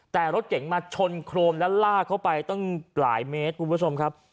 แต่รถเก๋งมาชนโครมแล้วลากเข้าไปตั้งหลายเมตรคุณผู้ชมครับ